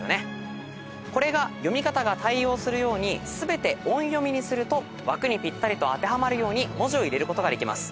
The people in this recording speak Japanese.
これが読み方が対応するように全て音読みにすると枠にぴったりと当てはまるように文字を入れることができます。